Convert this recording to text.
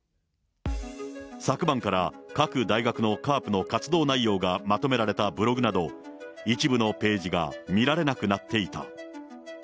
昨晩から、各大学のＣＡＲＰの活動内容がまとめられたブログなど、一部のページが見られなくなっていた。